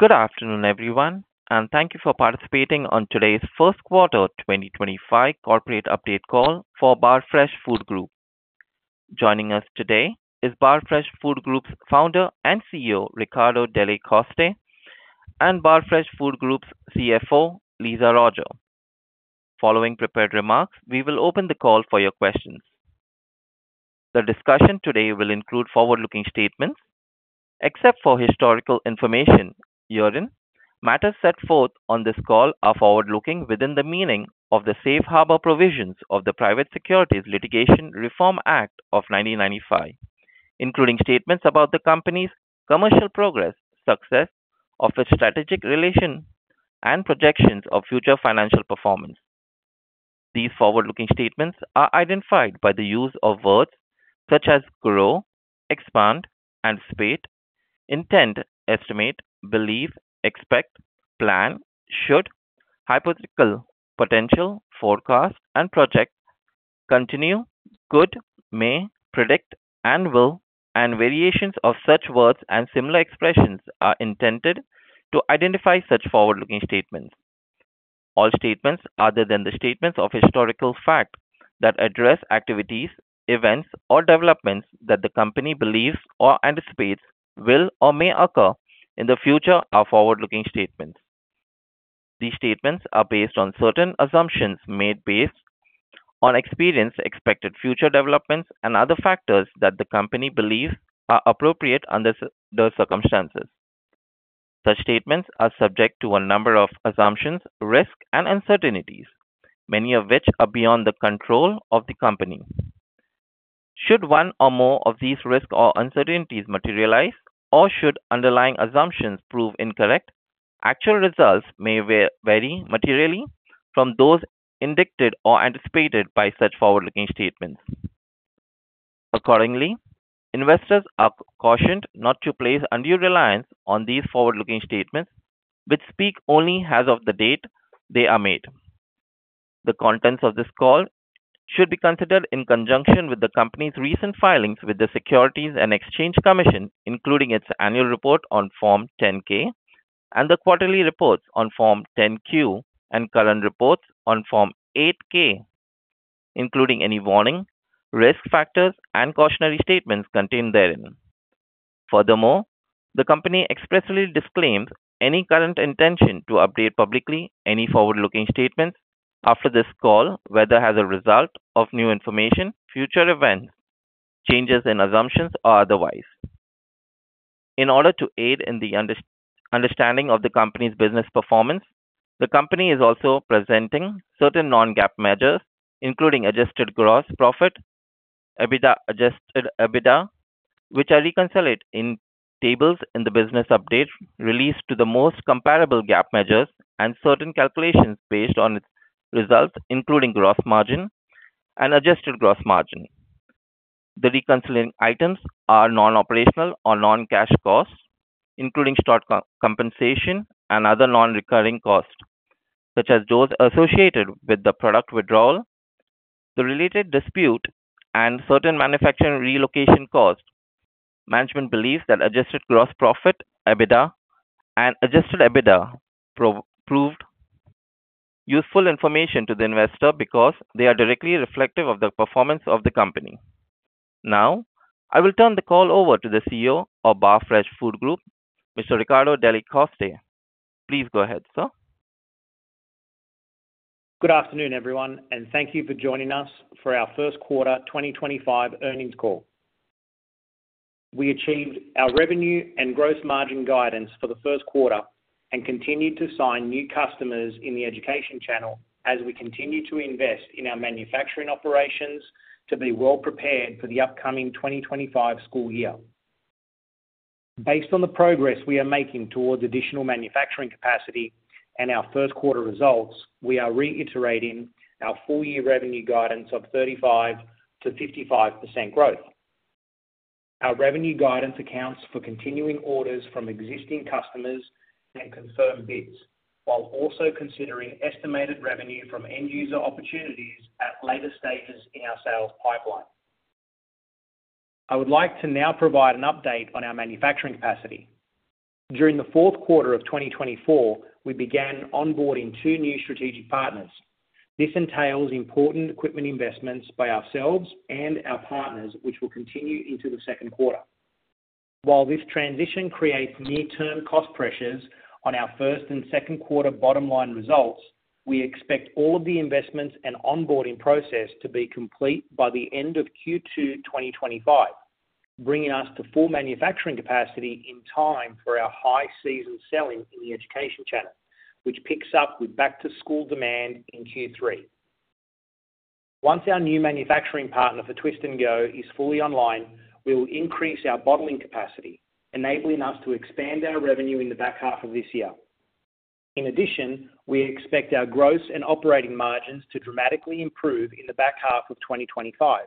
Good afternoon, everyone, and thank you for participating in today's First Quarter 2025 Corporate Update Call for Barfresh Food Group. Joining us today is Barfresh Food Group's Founder and CEO, Riccardo Delle Coste, and Barfresh Food Group's CFO, Lisa Roger. Following prepared remarks, we will open the call for your questions. The discussion today will include forward-looking statements, except for historical information herein. Matters set forth on this call are forward-looking within the meaning of the safe harbor provisions of the Private Securities Litigation Reform Act of 1995, including statements about the company's commercial progress, success of its strategic relations, and projections of future financial performance. These forward-looking statements are identified by the use of words such as grow, expand, and spate, intend, estimate, believe, expect, plan, should, hypothetical, potential, forecast, and project, continue, could, may, predict, and will, and variations of such words and similar expressions are intended to identify such forward-looking statements. All statements other than the statements of historical fact that address activities, events, or developments that the company believes or anticipates will or may occur in the future are forward-looking statements. These statements are based on certain assumptions made based on experienced expected future developments and other factors that the company believes are appropriate under the circumstances. Such statements are subject to a number of assumptions, risks, and uncertainties, many of which are beyond the control of the company. Should one or more of these risks or uncertainties materialize, or should underlying assumptions prove incorrect, actual results may vary materially from those enacted or anticipated by such forward-looking statements. Accordingly, investors are cautioned not to place undue reliance on these forward-looking statements, which speak only as of the date they are made. The contents of this call should be considered in conjunction with the company's recent filings with the Securities and Exchange Commission, including its annual report on Form 10-K and the quarterly reports on Form 10-Q and current reports on Form 8-K, including any warning, risk factors, and cautionary statements contained therein. Furthermore, the company expressly disclaims any current intention to update publicly any forward-looking statements after this call, whether as a result of new information, future events, changes in assumptions, or otherwise. In order to aid in the understanding of the company's business performance, the company is also presenting certain non-GAAP measures, including adjusted gross profit (EBITDA) adjusted EBITDA, which are reconciled in tables in the business update released to the most comparable GAAP measures and certain calculations based on its results, including gross margin and adjusted gross margin. The reconciling items are non-operational or non-cash costs, including short compensation and other non-recurring costs, such as those associated with the product withdrawal, the related dispute, and certain manufacturing relocation costs. Management believes that adjusted gross profit (EBITDA) and adjusted EBITDA prove useful information to the investor because they are directly reflective of the performance of the company. Now, I will turn the call over to the CEO of Barfresh Food Group, Mr. Riccardo Delle Coste. Please go ahead, sir. Good afternoon, everyone, and thank you for joining us for our First Quarter 2025 Earnings Call. We achieved our revenue and gross margin guidance for the first quarter and continued to sign new customers in the education channel as we continue to invest in our manufacturing operations to be well prepared for the upcoming 2025 school year. Based on the progress we are making towards additional manufacturing capacity and our first quarter results, we are reiterating our full-year revenue guidance of 35%-55% growth. Our revenue guidance accounts for continuing orders from existing customers and confirmed bids, while also considering estimated revenue from end-user opportunities at later stages in our sales pipeline. I would like to now provide an update on our manufacturing capacity. During the fourth quarter of 2024, we began onboarding two new strategic partners. This entails important equipment investments by ourselves and our partners, which will continue into the second quarter. While this transition creates near-term cost pressures on our first and second quarter bottom-line results, we expect all of the investments and onboarding process to be complete by the end of Q2 2025, bringing us to full manufacturing capacity in time for our high-season selling in the education channel, which picks up with back-to-school demand in Q3. Once our new manufacturing partner for Twist & Go is fully online, we will increase our bottling capacity, enabling us to expand our revenue in the back half of this year. In addition, we expect our gross and operating margins to dramatically improve in the back half of 2025,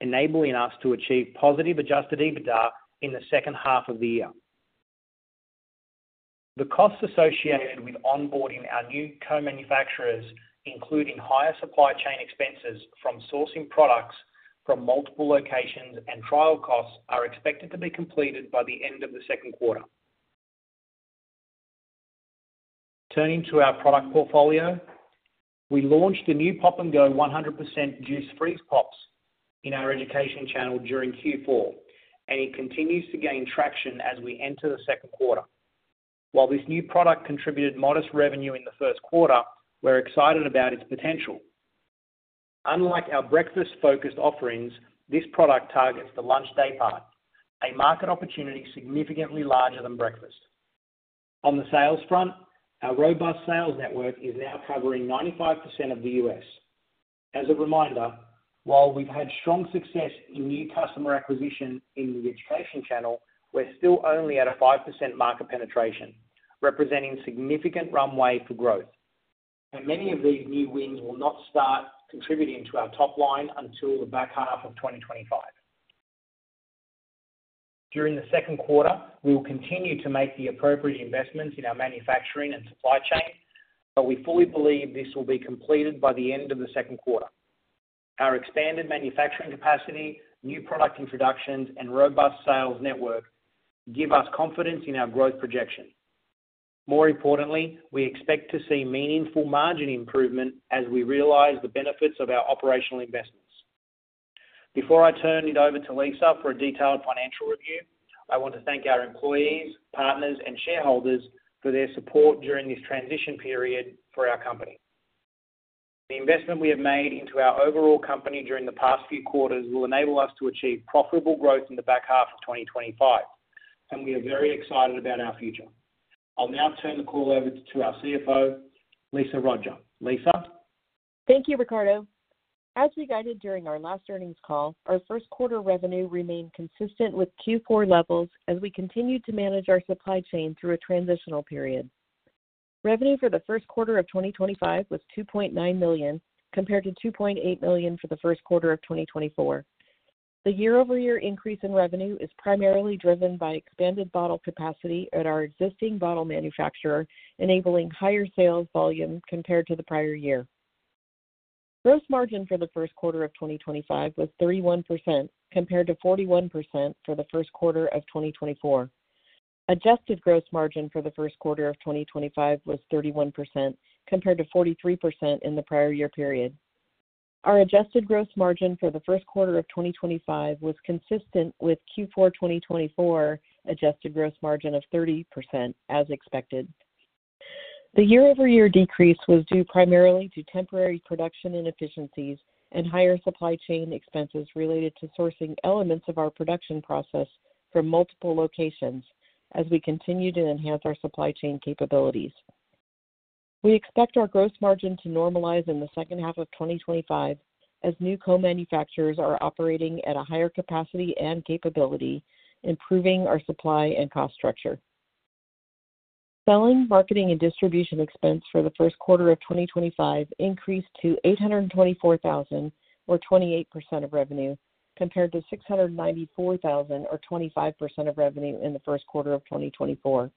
enabling us to achieve positive adjusted EBITDA in the second half of the year. The costs associated with onboarding our new co-manufacturers, including higher supply chain expenses from sourcing products from multiple locations and trial costs, are expected to be completed by the end of the second quarter. Turning to our product portfolio, we launched a new Pop & Go 100% juice freeze pops in our education channel during Q4, and it continues to gain traction as we enter the second quarter. While this new product contributed modest revenue in the first quarter, we're excited about its potential. Unlike our breakfast-focused offerings, this product targets the lunch day part, a market opportunity significantly larger than breakfast. On the sales front, our robust sales network is now covering 95% of the U.S. As a reminder, while we've had strong success in new customer acquisition in the education channel, we're still only at a 5% market penetration, representing a significant runway for growth. Many of these new wins will not start contributing to our top line until the back half of 2025. During the second quarter, we will continue to make the appropriate investments in our manufacturing and supply chain, but we fully believe this will be completed by the end of the second quarter. Our expanded manufacturing capacity, new product introductions, and robust sales network give us confidence in our growth projection. More importantly, we expect to see meaningful margin improvement as we realize the benefits of our operational investments. Before I turn it over to Lisa for a detailed financial review, I want to thank our employees, partners, and shareholders for their support during this transition period for our company. The investment we have made into our overall company during the past few quarters will enable us to achieve profitable growth in the back half of 2025, and we are very excited about our future. I'll now turn the call over to our CFO, Lisa Roger. Lisa. Thank you, Riccardo. As we guided during our last earnings call, our first quarter revenue remained consistent with Q4 levels as we continued to manage our supply chain through a transitional period. Revenue for the first quarter of 2025 was $2.9 million, compared to $2.8 million for the first quarter of 2024. The year-over-year increase in revenue is primarily driven by expanded bottle capacity at our existing bottle manufacturer, enabling higher sales volume compared to the prior year. Gross margin for the first quarter of 2025 was 31%, compared to 41% for the first quarter of 2024. Adjusted gross margin for the first quarter of 2025 was 31%, compared to 43% in the prior year period. Our adjusted gross margin for the first quarter of 2025 was consistent with Q4 2024 adjusted gross margin of 30%, as expected. The year-over-year decrease was due primarily to temporary production inefficiencies and higher supply chain expenses related to sourcing elements of our production process from multiple locations as we continue to enhance our supply chain capabilities. We expect our gross margin to normalize in the second half of 2025 as new co-manufacturers are operating at a higher capacity and capability, improving our supply and cost structure. Selling, marketing, and distribution expense for the first quarter of 2025 increased to $824,000, or 28% of revenue, compared to $694,000, or 25% of revenue in the first quarter of 2024.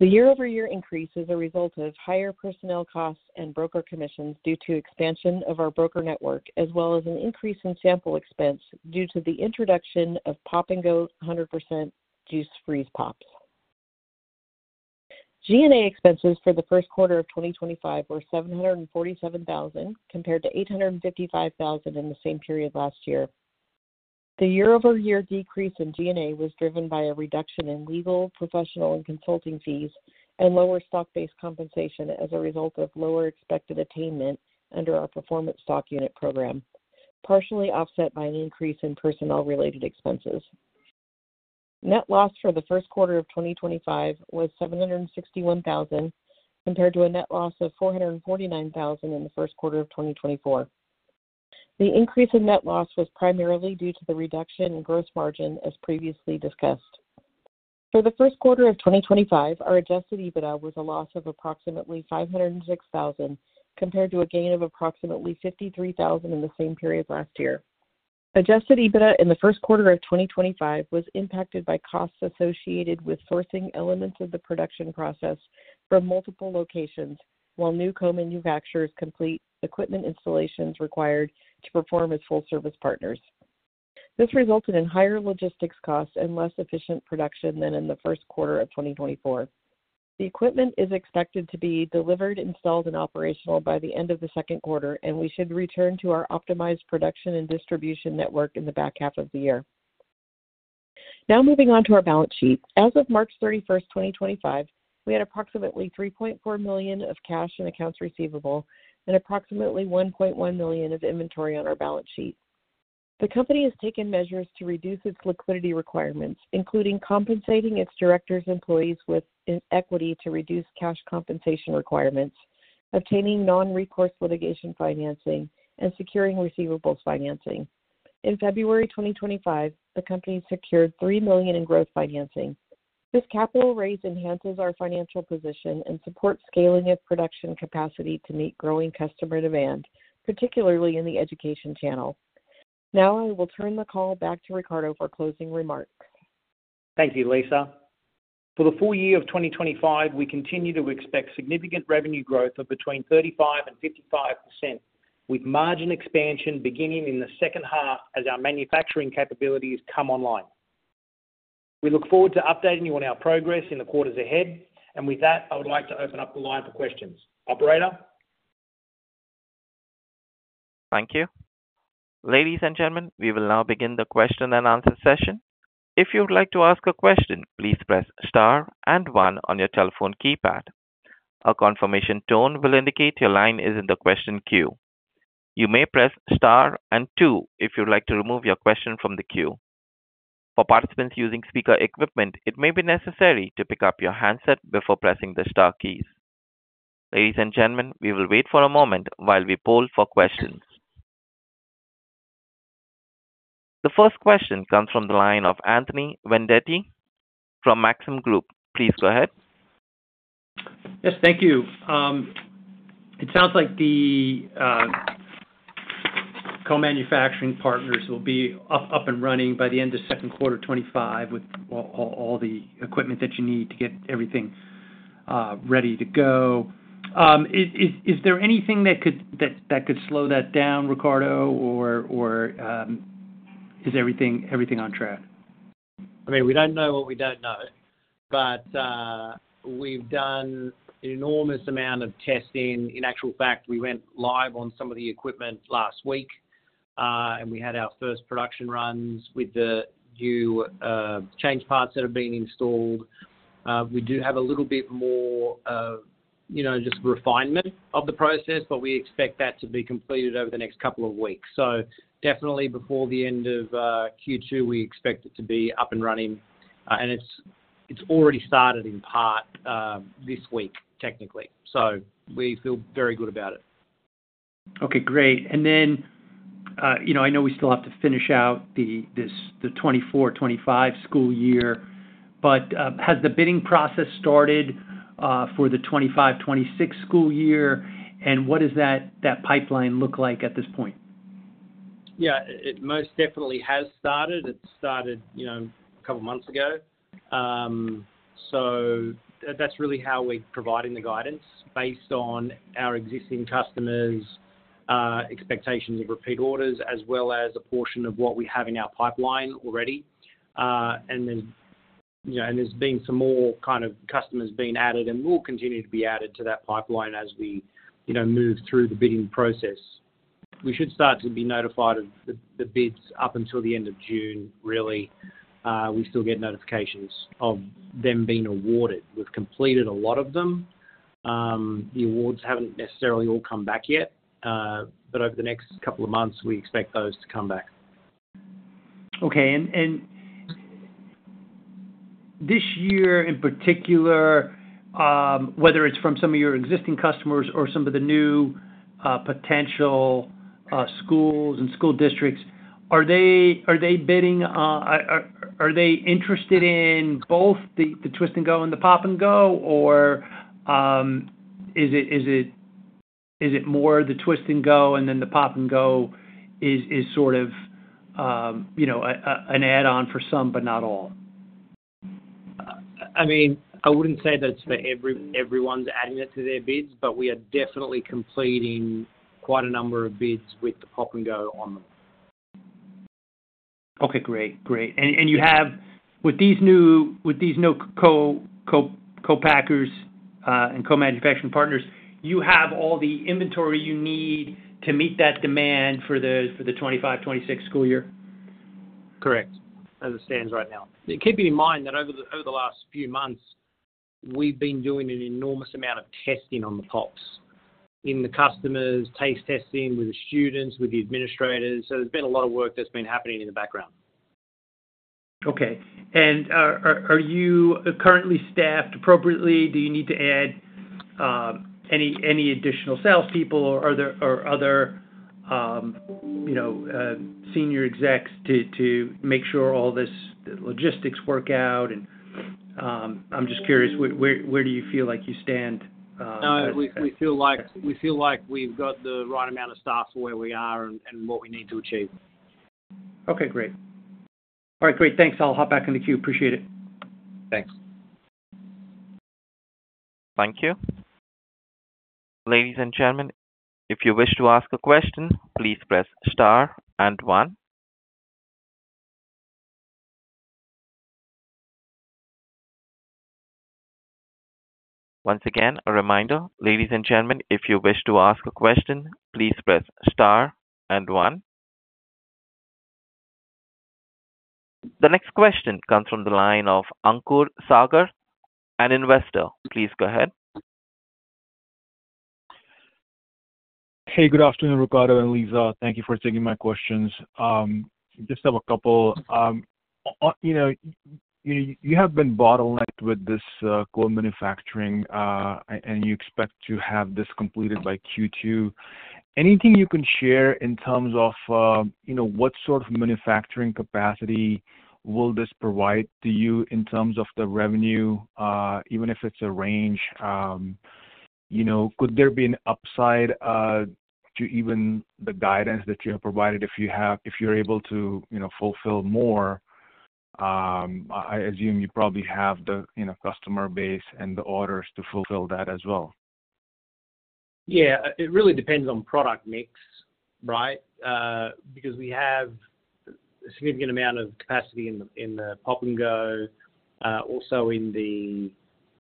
The year-over-year increase is a result of higher personnel costs and broker commissions due to expansion of our broker network, as well as an increase in sample expense due to the introduction of Pop & Go 100% juice freeze pops. G&A expenses for the first quarter of 2025 were $747,000, compared to $855,000 in the same period last year. The year-over-year decrease in G&A was driven by a reduction in legal, professional, and consulting fees and lower stock-based compensation as a result of lower expected attainment under our performance stock unit program, partially offset by an increase in personnel-related expenses. Net loss for the first quarter of 2025 was $761,000, compared to a net loss of $449,000 in the first quarter of 2024. The increase in net loss was primarily due to the reduction in gross margin, as previously discussed. For the first quarter of 2025, our adjusted EBITDA was a loss of approximately $506,000, compared to a gain of approximately $53,000 in the same period last year. Adjusted EBITDA in the first quarter of 2025 was impacted by costs associated with sourcing elements of the production process from multiple locations, while new co-manufacturers complete equipment installations required to perform as full-service partners. This resulted in higher logistics costs and less efficient production than in the first quarter of 2024. The equipment is expected to be delivered, installed, and operational by the end of the second quarter, and we should return to our optimized production and distribution network in the back half of the year. Now, moving on to our balance sheet. As of March 31, 2025, we had approximately $3.4 million of cash and accounts receivable and approximately $1.1 million of inventory on our balance sheet. The company has taken measures to reduce its liquidity requirements, including compensating its directors' employees with equity to reduce cash compensation requirements, obtaining non-recourse litigation financing, and securing receivables financing. In February 2025, the company secured $3 million in growth financing. This capital raise enhances our financial position and supports scaling of production capacity to meet growing customer demand, particularly in the education channel. Now, I will turn the call back to Riccardo for closing remarks. Thank you, Lisa. For the full year of 2025, we continue to expect significant revenue growth of between 35% and 55%, with margin expansion beginning in the second half as our manufacturing capabilities come online. We look forward to updating you on our progress in the quarters ahead, and with that, I would like to open up the line for questions. Operator. Thank you. Ladies and gentlemen, we will now begin the question and answer session. If you would like to ask a question, please press Star and 1 on your telephone keypad. A confirmation tone will indicate your line is in the question queue. You may press Star and 2 if you'd like to remove your question from the queue. For participants using speaker equipment, it may be necessary to pick up your handset before pressing the Star keys. Ladies and gentlemen, we will wait for a moment while we poll for questions. The first question comes from the line of Anthony Vendetti from Maxim Group. Please go ahead. Yes, thank you. It sounds like the co-manufacturing partners will be up and running by the end of second quarter 2025 with all the equipment that you need to get everything ready to go. Is there anything that could slow that down, Riccardo, or is everything on track? I mean, we don't know what we don't know, but we've done an enormous amount of testing. In actual fact, we went live on some of the equipment last week, and we had our first production runs with the new change parts that have been installed. We do have a little bit more just refinement of the process, but we expect that to be completed over the next couple of weeks. Definitely before the end of Q2, we expect it to be up and running, and it's already started in part this week, technically. We feel very good about it. Okay, great. I know we still have to finish out the 2024-2025 school year, but has the bidding process started for the 2025-2026 school year, and what does that pipeline look like at this point? Yeah, it most definitely has started. It started a couple of months ago. That is really how we're providing the guidance based on our existing customers' expectations of repeat orders, as well as a portion of what we have in our pipeline already. There have been some more kind of customers being added, and we'll continue to be added to that pipeline as we move through the bidding process. We should start to be notified of the bids up until the end of June, really. We still get notifications of them being awarded. We've completed a lot of them. The awards haven't necessarily all come back yet, but over the next couple of months, we expect those to come back. Okay. This year, in particular, whether it's from some of your existing customers or some of the new potential schools and school districts, are they bidding? Are they interested in both the Twist & Go and the Pop & Go, or is it more the Twist & Go and then the Pop & Go is sort of an add-on for some, but not all? I mean, I wouldn't say that it's for everyone's adding it to their bids, but we are definitely completing quite a number of bids with the Pop & Go on them. Okay, great. Great. With these new co-packers and co-manufacturing partners, you have all the inventory you need to meet that demand for the 2025-2026 school year? Correct. As it stands right now, it keeps me in mind that over the last few months, we've been doing an enormous amount of testing on the pops in the customers, taste testing with the students, with the administrators. There has been a lot of work that's been happening in the background. Okay. Are you currently staffed appropriately? Do you need to add any additional salespeople or other senior execs to make sure all this logistics work out? I'm just curious, where do you feel like you stand? No, we feel like we've got the right amount of staff for where we are and what we need to achieve. Okay, great. All right, great. Thanks. I'll hop back in the queue. Appreciate it. Thanks. Thank you. Ladies and gentlemen, if you wish to ask a question, please press Star and 1. Once again, a reminder, ladies and gentlemen, if you wish to ask a question, please press Star and 1. The next question comes from the line of Ankur Sagar, an investor. Please go ahead. Hey, good afternoon, Riccardo and Lisa. Thank you for taking my questions. Just have a couple. You have been bottlenecked with this co-manufacturing, and you expect to have this completed by Q2. Anything you can share in terms of what sort of manufacturing capacity will this provide to you in terms of the revenue, even if it's a range? Could there be an upside to even the guidance that you have provided if you're able to fulfill more? I assume you probably have the customer base and the orders to fulfill that as well. Yeah, it really depends on product mix, right? Because we have a significant amount of capacity in the Pop & Go, also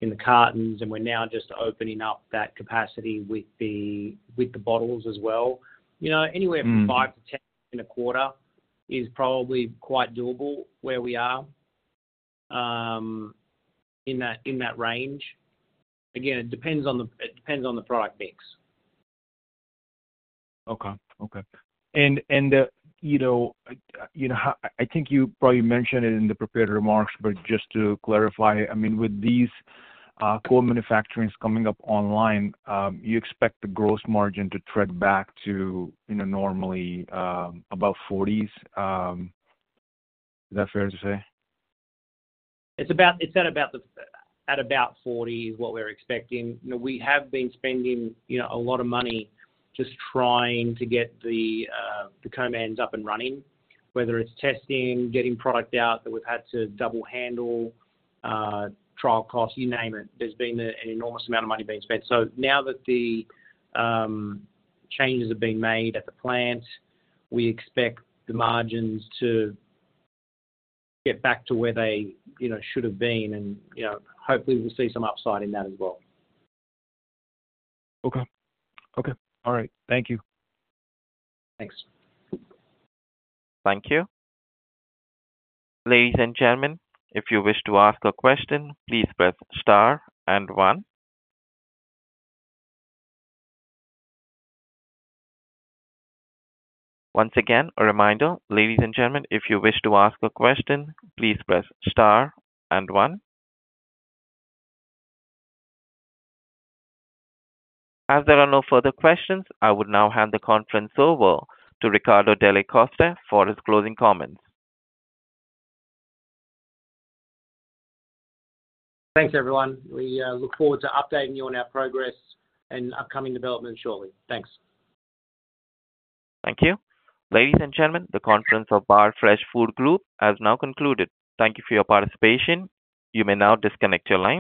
in the cartons, and we're now just opening up that capacity with the bottles as well. Anywhere from 5-10 in a quarter is probably quite doable where we are in that range. Again, it depends on the product mix. Okay. Okay. I think you probably mentioned it in the prepared remarks, but just to clarify, I mean, with these co-manufacturings coming up online, you expect the gross margin to tread back to normally about 40%? Is that fair to say? It's at about 40s what we're expecting. We have been spending a lot of money just trying to get the co-man's up and running, whether it's testing, getting product out that we've had to double-handle, trial costs, you name it. There's been an enormous amount of money being spent. Now that the changes have been made at the plant, we expect the margins to get back to where they should have been, and hopefully, we'll see some upside in that as well. Okay. Okay. All right. Thank you. Thanks. Thank you. Ladies and gentlemen, if you wish to ask a question, please press Star and 1. Once again, a reminder, ladies and gentlemen, if you wish to ask a question, please press Star and 1. As there are no further questions, I would now hand the conference over to Riccardo Delle Coste for his closing comments. Thanks, everyone. We look forward to updating you on our progress and upcoming developments shortly. Thanks. Thank you. Ladies and gentlemen, the conference of Barfresh Food Group has now concluded. Thank you for your participation. You may now disconnect your line.